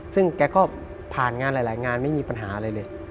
ซึ่งแกก็ผ่านงานหลายงานไม่มีปัญหาอะไรเลย